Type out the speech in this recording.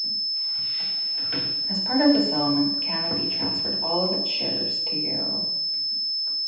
As part of the settlement, Canopy transferred all of its shares to Yarro.